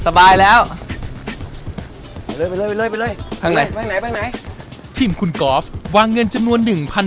สบายแล้วไปเลยไปเลยไปเลยที่ไหนไหนที่คุณก๊อฟวางเงินจำนวน